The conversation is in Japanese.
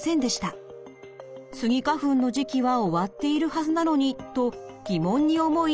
スギ花粉の時期は終わっているはずなのにと疑問に思い